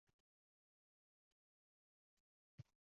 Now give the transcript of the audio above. Tavorixing tamoman qonli damdanmi yaralmishsan?